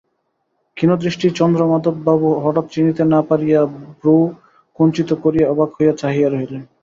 ক্ষীণদৃষ্টি চন্দ্রমাধববাবু হঠাৎ চিনিতে না পারিয়া ভ্রূকুঞ্চিত করিয়া অবাক হইয়া চাহিয়া রহিলেন।